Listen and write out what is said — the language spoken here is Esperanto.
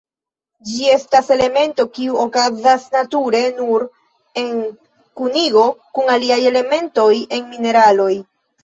Ĝi estas elemento kiu okazas nature nur en kunigo kun aliaj elementoj en mineraloj.